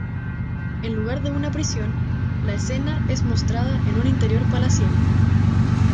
En lugar de en una prisión, la escena es mostrada en un interior palaciego.